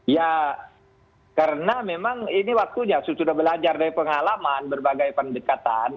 ya karena memang ini waktunya sudah belajar dari pengalaman berbagai pendekatan